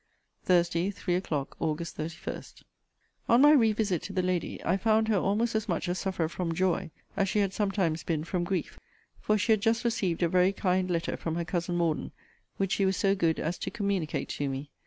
THURSDAY, THREE O'CLOCK, AUG. 31. On my re visit to the lady, I found her almost as much a sufferer from joy as she had sometimes been from grief; for she had just received a very kind letter from her cousin Morden; which she was so good as to communicate to me.